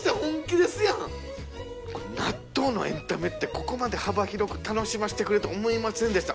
納豆のエンタメってここまで幅広く楽しませてくれると思いませんでした。